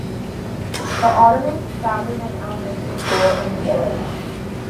The Ottomans founded an elementary school in the village.